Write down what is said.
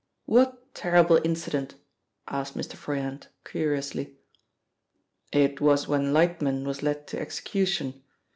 "What terrible incident?" asked Mr. Froyant curiously. "It was when Lightman was led to execution.